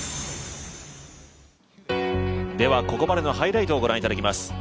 ここまでのハイライトを御覧いただきます。